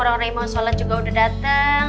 orang orang imam sholat juga udah dateng